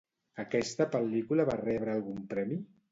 Aquesta pel·lícula va rebre algun premi?